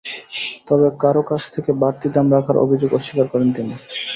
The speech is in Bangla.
তবে কারও কাছ থেকে বাড়তি দাম রাখার অভিযোগ অস্বীকার করেন তিনি।